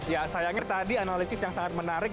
ya sayangnya tadi analisis yang sangat menarik